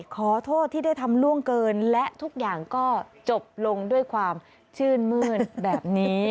ขอโทษที่ได้ทำล่วงเกินและทุกอย่างก็จบลงด้วยความชื่นมื้นแบบนี้